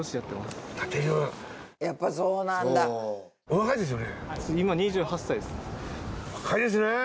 若いですね。